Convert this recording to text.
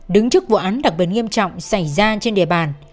đứng trước vụ án đặc biệt nghiêm trọng xảy ra trên địa bàn